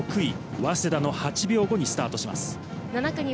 早稲田の８秒後にスタートします。